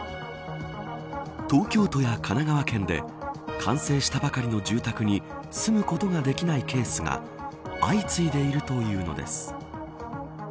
東京都や神奈川県で完成したばかりの住宅に住むことができないケースが相次いでいるというのです。